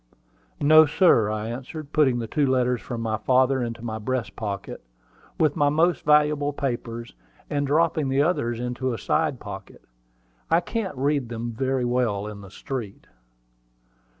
"No, sir," I answered, putting the two letters from my father into my breast pocket, with my most valuable papers, and dropping the others into a side pocket. "I can't read them very well in the street."